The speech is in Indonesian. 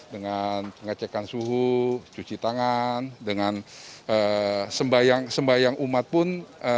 dengan pengecekan suhu cuci tangan dengan sembahyang umat pun